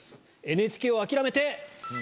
ＮＨＫを諦めて。